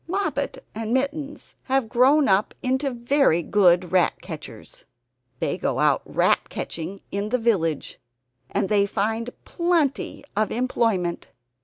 Moppet and Mittens have grown up into very good rat catchers. They go out rat catching in the village, and they find plenty of employment.